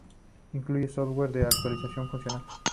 Incluye software de actualización funcional.